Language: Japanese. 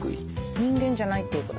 人間じゃないっていうこと？